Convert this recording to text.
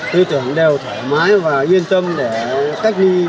tư tưởng đều thoải mái và yên tâm để cách ly